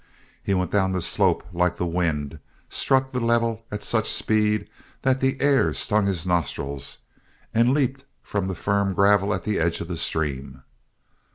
He went down the slope like the wind, struck the level at such speed that the air stung his nostrils, and leaped from the firm gravel at the edge of the stream.